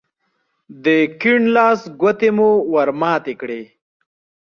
د کيڼ لاس ګوتې مو ور ماتې کړې.